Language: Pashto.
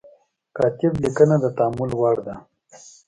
کاتب لیکنه د تأمل وړ ده.